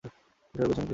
এসবের পেছনে কে আছে?